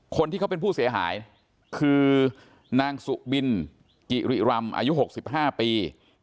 คนที่เขาเป็นผู้เสียหายคือนางสุบินกิริรำอายุ๖๕ปี